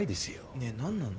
ねえ何なの？